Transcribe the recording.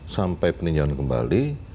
sampai peninjauan kembali